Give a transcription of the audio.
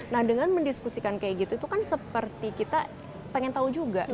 nah dengan mendiskusikan kayak gitu itu kan seperti kita pengen tahu juga